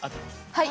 はい。